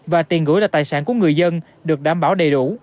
và tiền gửi là tài sản của người dân được đảm bảo đầy đủ